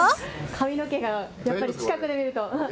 髪の毛が、やっぱり近くで見ると。